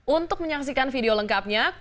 untuk menyaksikan video lengkapnya